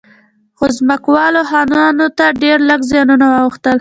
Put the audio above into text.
خو ځمکوالو خانانو ته ډېر لږ زیانونه واوښتل.